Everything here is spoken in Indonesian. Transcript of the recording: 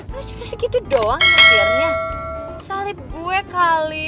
wah juga segitu doang akhirnya salib gue kali